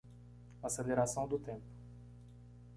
Aceleração do tempo.